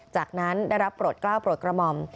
จากนั้นได้รับโปรดกล้าวโปรดกระหม่อม